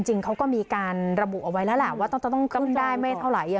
จริงเขาก็มีการระบุเอาไว้แล้วแหละว่าจะต้องได้ไม่เท่าไหร่